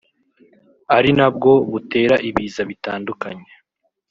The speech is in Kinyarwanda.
ari na bwo butera ibiza bitandukanye